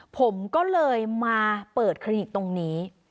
ผมก็เลยมาเปิดคลินิกตรงนี้